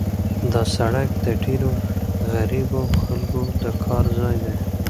دا سړک د ډېرو غریبو خلکو د کار ځای دی.